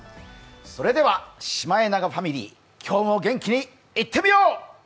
それではシマエナガファミリー、今日も元気にいってみよう！